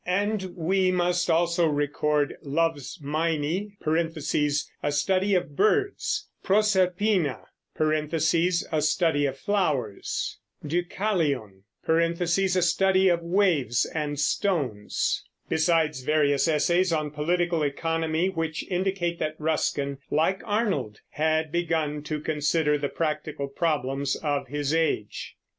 And we must also record Love's Meinie (a study of birds), Proserpina (a study of flowers), Deucalion (a study of waves and stones), besides various essays on political economy which indicate that Ruskin, like Arnold, had begun to consider the practical problems of his age.